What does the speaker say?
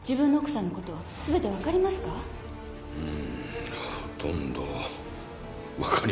うーん。ほとんど分かりませんね。